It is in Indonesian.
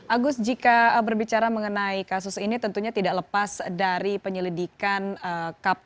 agus jika berbicara mengenai kasus ini tentunya tidak lepas dari penyelidikan kpk